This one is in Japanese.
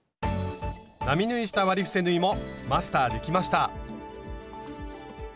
並縫いした割り伏せ縫いもマスターできました！